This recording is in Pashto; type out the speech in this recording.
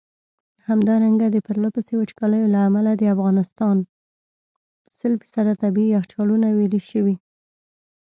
همدارنګه د پرله پسي وچکالیو له امله د افغانستان ٪ طبیعي یخچالونه ویلي شوي.